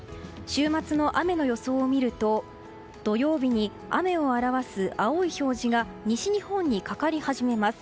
週末の雨の予想を見ると土曜日に雨を表す青い表示が西日本にかかり始めます。